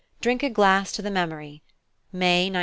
Drink a glass to the memory! May 1962."